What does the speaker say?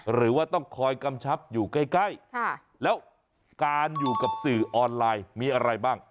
หรือว่าต้องคอยกำชับอยู่ใกล้แล้วการอยู่กับสื่อออนไลน์มีอะไรบ้าง